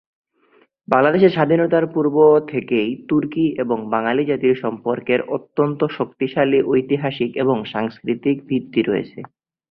বাংলাদেশের স্বাধীনতার পূর্ব থেকেই তুর্কি এবং বাঙালি জাতির সম্পর্কের অত্যন্ত শক্তিশালী ঐতিহাসিক ও সাংস্কৃতিক ভিত্তি রয়েছে।